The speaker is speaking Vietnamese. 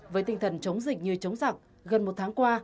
với tinh thần chống dịch như chống giặc gần một tháng qua